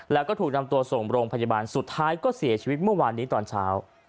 แล้วก็ถูกนำตัวส่งโรงพยาบาลสุดท้ายก็เสียชีวิตเมื่อวานนี้ตอนเช้า